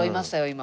今。